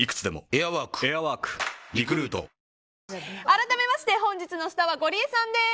改めまして本日のスターはゴリエさんです。